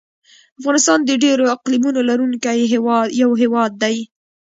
افغانستان د ډېرو اقلیمونو لرونکی یو هېواد دی.